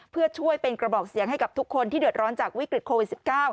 เพื่อช่วยเป็นกระบอกเสียงให้กับทุกคนที่เดือดร้อนจากวิกฤตโควิด๑๙